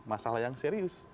masalah yang serius